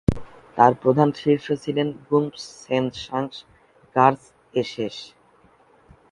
তার প্রধান শিষ্য ছিলেন গ্নুব্স-ছেন-সাংস-র্গ্যাস-য়ে-শেস।